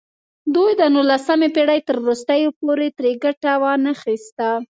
دوی د نولسمې پېړۍ تر وروستیو پورې ترې ګټه وانخیسته.